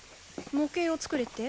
模型を作れって？